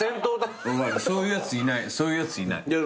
そういうやついないそういうやついない。